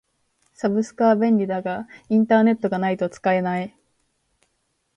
サブスクは便利だがインターネットがないと使えない。